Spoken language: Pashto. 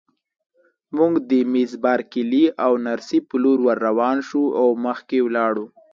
موږ د مس بارکلي او نرسې په لور ورروان شوو او مخکې ولاړو.